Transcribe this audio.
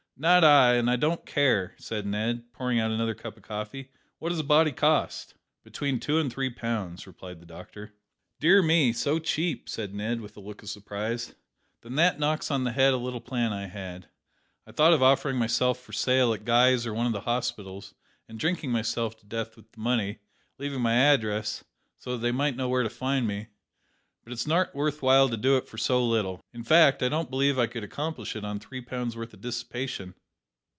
"Not I, and I don't care," said Ned, pouring out another cup of coffee. "What does a body cost?" "Between two and three pounds," replied the doctor. "Dear me, so cheap," said Ned, with a look of surprise; "then that knocks on the head a little plan I had. I thought of offering myself for sale at Guy's or one of the hospitals, and drinking myself to death with the money, leaving my address, so that they might know where to find me; but it's not worth while to do it for so little; in fact, I don't believe I could accomplish it on three pounds' worth of dissipation."